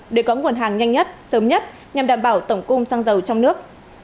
để có nguồn hàng nhanh nhất sớm nhất nhằm đảm bảo tổng cung xăng dầu trong nước